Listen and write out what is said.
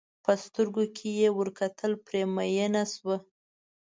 په سترګو کې یې ور کتل پرې مینه شوه.